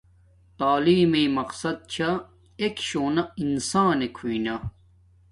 تعلیم میݵ مقصد چھا ایک شونا انسانک ہوݵ نا